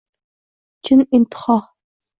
Chin intiho —